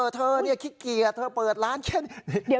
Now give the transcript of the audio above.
เธอขี้เกียจเธอเปิดร้านเช่น